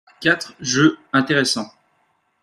quatre jeux intéressants.